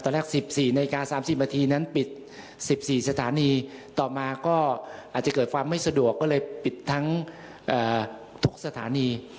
แรก๑๔นาฬิกา๓๐นาทีนั้นปิด๑๔สถานีต่อมาก็อาจจะเกิดความไม่สะดวกก็เลยปิดทั้งทุกสถานี